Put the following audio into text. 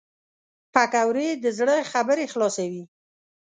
پکورې د زړه خبرې خلاصوي